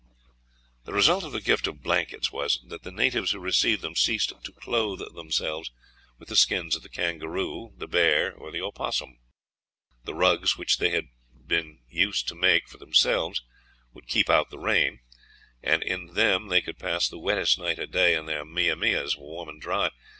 The result of the gift of blankets was that the natives who received them ceased to clothe themselves with the skins of the kangaroo, the bear or opossum. The rugs which they had been used to make for themselves would keep out the rain, and in them they could pass the wettest night or day in their mia mias, warm and dry.